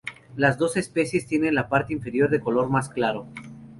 Las dos especies tienen la parte inferior de color más claro.